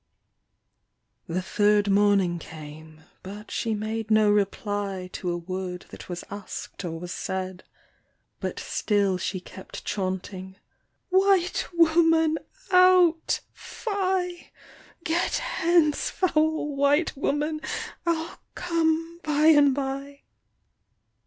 The third morning came, but she made no reply To a word that was ask'd or was said ; But, still she kept chaunting —" White woman, out ! fie ! Get hence, foul white woman ! I'll come by and by